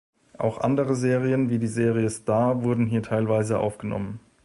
Auch andere Serien wie die Serie Star wurden hier teilweise aufgenommen.